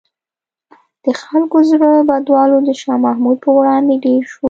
د خلکو زړه بدوالی د شاه محمود په وړاندې ډېر شو.